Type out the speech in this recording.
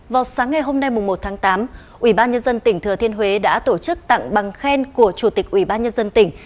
vào sáng ngày hôm nay một tháng tám ubnd tỉnh thừa thiên huế đã tổ chức tặng bằng khen của chủ tịch ubnd tỉnh